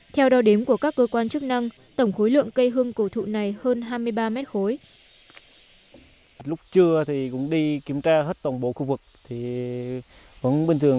theo đo đếm của các cơ quan chức năng tổng khối lượng cây hương cổ thụ này hơn hai mươi ba mét khối